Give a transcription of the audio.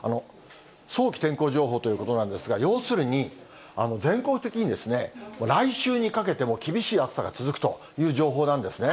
早期天候情報ということなんですが、要するに、全国的に来週にかけても厳しい暑さが続くという情報なんですね。